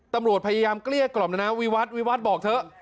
ตำรวจพยายามเกลี้ยกล่อมแล้วนะวิวัตรวิวัฒน์บอกเถอะ